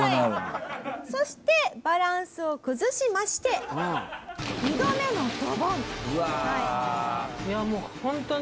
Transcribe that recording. そしてバランスを崩しまして２度目のドボン。